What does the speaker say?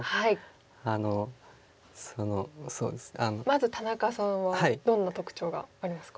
まず田中さんはどんな特徴がありますか？